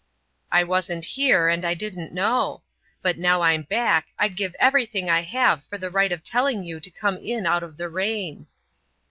"I wasn't here, and I didn't know. But now I'm back I'd give everything I have for the right of telling you to come in out of the rain."